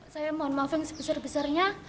saya mohon maaf yang sebesar besarnya